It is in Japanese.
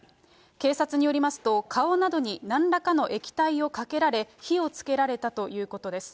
警察によりますと、顔などになんらかの液体をかけられ、火をつけられたということです。